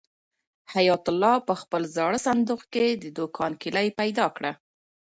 حیات الله په خپل زاړه صندوق کې د دوکان کلۍ پیدا کړه.